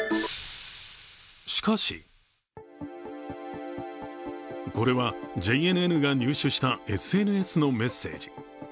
しかしこれはＪＮＮが入手したＳＮＳのメッセージ。